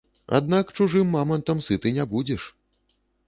Аднак чужым мамантам сыты не будзеш!